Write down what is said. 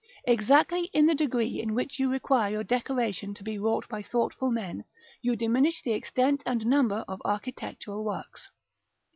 Exactly in the degree in which you require your decoration to be wrought by thoughtful men, you diminish the extent and number of architectural works.